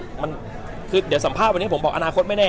อาณาคตมันคือเดี๋ยวสัมภาพวันหนึ่งผมบอกวันนี้ก็ว่าอาณาคตไม่แน่